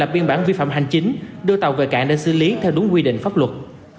biên bản vi phạm hành chính đưa tàu về cảng để xử lý theo đúng quy định pháp luật